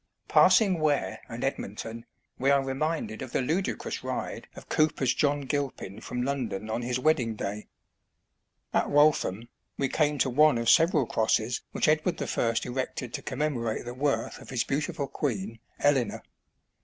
Passing Ware and Edmonton, we are reminded of the ludicrous ride of Cowper's John Gilpin from London on his wedding day. At Waltham, we came to one of several crosses which Edward I. erected to commemorate the worth of his beautiful queen, Eleanor.